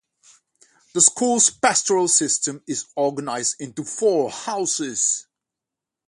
The school's Pastoral system is organised into four houses.